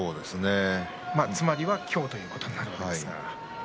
つまりは今日ということになりますが。